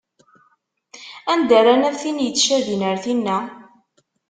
Anda ara naf tin yettcabin ar tinna?